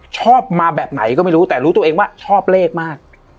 ชอบมาแบบไหนก็ไม่รู้แต่รู้ตัวเองว่าชอบเลขมาก